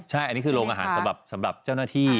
ใช่อันนี้คือโรงอาหารสำหรับเจ้าหน้าที่